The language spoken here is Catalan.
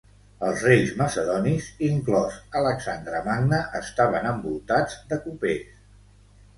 Els reis macedonis, inclòs Alexandre Magne, estaven envoltats de copers.